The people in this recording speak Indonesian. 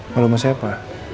malu sama siapa